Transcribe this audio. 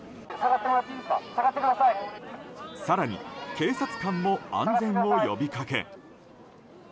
更に、警察官も安全の呼びかけ。